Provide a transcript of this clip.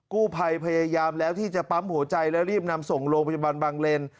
กู้ภัยพยายามแล้วที่จะปั๊มหัวใจแล้วรีบนำส่งโรงพยาบาลบางเลน